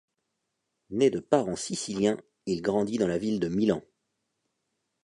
Né de parents siciliens, il grandit dans la ville de Milan.